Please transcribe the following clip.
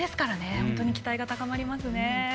本当に期待が高まります。